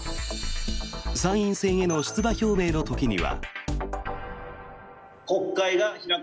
参院選への出馬表明の時には。